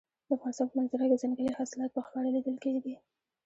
د افغانستان په منظره کې ځنګلي حاصلات په ښکاره لیدل کېږي.